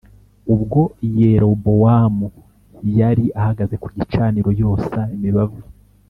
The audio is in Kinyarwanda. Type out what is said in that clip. Ubwo Yerobowamu yari ahagaze ku gicaniro yosa imibavu